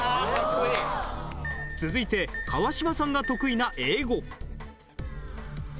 続いて川島さんが得意な英語。